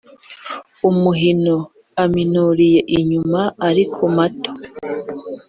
umuhino: aminuriye inyuma ariko mato;